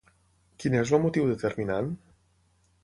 Quin és el motiu determinant?